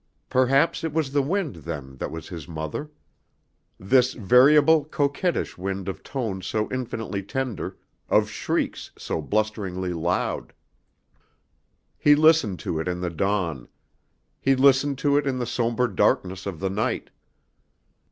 Perhaps it was the wind, then, that was his mother. This variable, coquettish wind of tones so infinitely tender, of shrieks so blusteringly loud. He listened to it in the dawn. He listened to it in the sombre darkness of the night.